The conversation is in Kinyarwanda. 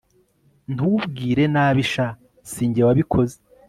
ntubwire nabi sha sinjye wabikoze